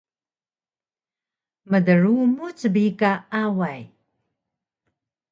Mdrumuc bi ka Away